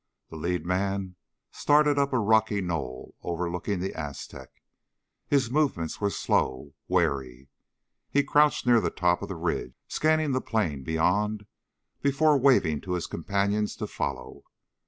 The lead man started up the rocky knoll overlooking the Aztec. His movements were slow, wary. He crouched near the top of the ridge, scanning the plain beyond before waving to his companions to follow.